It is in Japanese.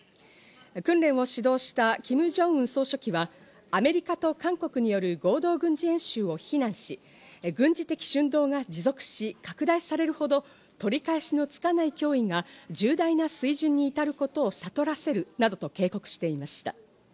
訓練を指導したキム・ジョンウン総書記はアメリカと韓国による合同軍事演習を非難し、軍事的蠢動が持続し拡大されるほど、取り返しのつかない脅威が重大な水準に至ることを悟らせるなどと警告していました。